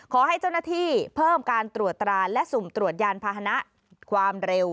ขอให้เจ้าหน้าที่เพิ่มการตรวจตราและสุ่มตรวจยานพาหนะความเร็ว